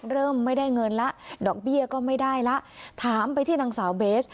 เริ่มไม่ได้เงินแล้วดอกเบี้ยก็ไม่ได้แล้วถามไปที่นางสาวเบส